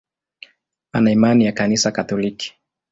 Ana imani ya Kanisa Katoliki.